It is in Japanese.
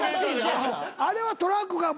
あれはトラックが。